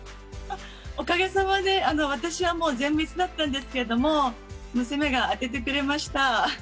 おかげさまで私は全滅だったんですけれども娘が当ててくれました。